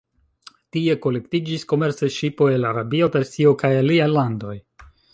Tie kolektiĝis komercaj ŝipoj el Arabio, Persio kaj aliaj landoj.